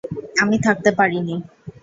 আমি থাকতে পারিনি।